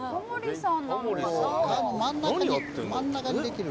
川の真ん中にできる。